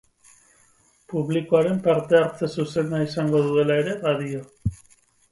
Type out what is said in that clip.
Publikoaren parte-hartze zuzena izango duela ere badio.